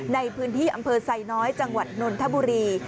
ในพื้นที่อำเภอไซน้อยจังหวัดนนทบุรี